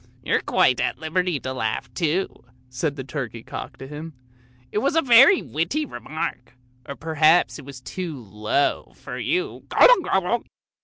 " You're quite at liberty to laugh too," said the turkey cock to him; " it was a very witty remark, or perhaps it was too low for you, gobble, gobble.